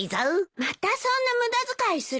またそんな無駄遣いするの？